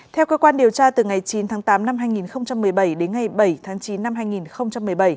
theo cơ quan điều tra từ ngày chín tháng tám năm hai nghìn một mươi bảy đến ngày bảy tháng chín năm hai nghìn một mươi bảy